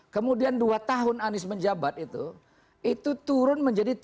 kemudian dua tahun anies menjabat itu itu turun menjadi tiga puluh